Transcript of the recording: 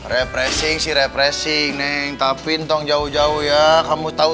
refreshing sih refreshing tapi jauh jauh ya kamu tahu